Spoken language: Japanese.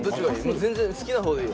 全然好きなほうでいいよ。